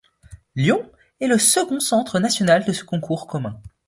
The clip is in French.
Lyon est le second centre national de ce concours commun.